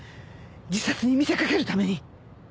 自殺に見せかけるために。